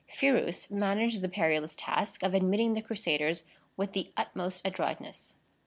Phirous managed the perilous task of admitting the Crusaders with the utmost adroitness.